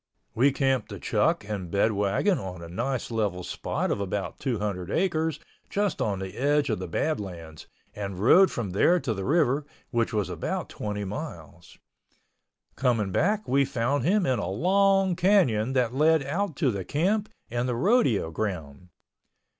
We camped the chuck and bed wagon on a nice level spot of about 200 acres, just on the edge of the Badlands, and rode from there to the river, which was about 20 miles. Coming back we found him in a long canyon that led out to the camp and the rodeo ground.